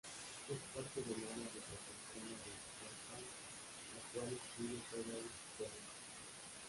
Es parte del Área metropolitana de Fairbanks, la cual incluye todo el borough.